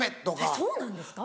そうなんですか？